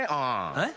えっ？